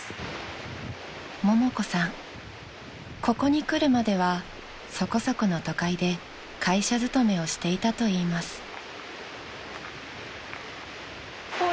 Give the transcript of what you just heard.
［ここに来るまではそこそこの都会で会社勤めをしていたといいます］